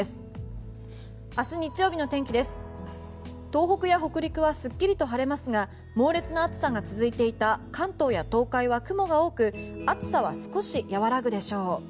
東北や北陸はすっきりと晴れますが猛烈な暑さが続いていた関東や東海は雲が多く暑さは少し和らぐでしょう。